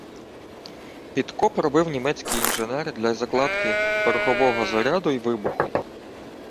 Підкоп робив німецький інженер для закладки порохового заряду й вибуху